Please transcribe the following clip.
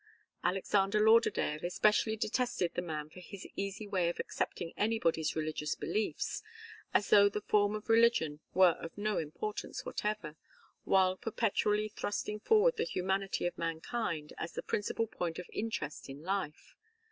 Alexander Lauderdale especially detested the man for his easy way of accepting anybody's religious beliefs, as though the form of religion were of no importance whatever, while perpetually thrusting forward the humanity of mankind as the principal point of interest in life.